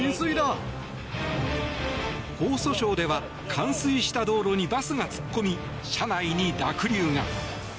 江蘇省では冠水した道路にバスが突っ込み、車内に濁流が。